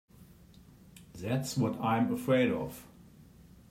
That's what I'm afraid of.